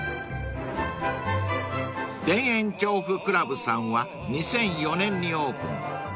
［田園調布倶楽部さんは２００４年にオープン］